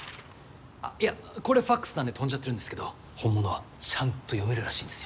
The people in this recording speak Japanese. あっいやこれファクスなんで飛んじゃってるんですけど本物はちゃんと読めるらしいんですよ。